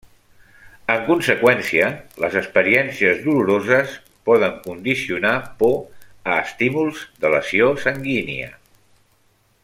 En conseqüència, les experiències doloroses poden condicionar por a estímuls de lesió sanguínia.